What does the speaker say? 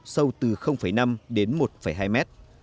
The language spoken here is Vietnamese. sâu từ năm đến một hai mét